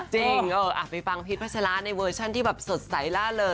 จริงไปฟังพีชพัชราในเวอร์ชันที่แบบสดใสล่าเริง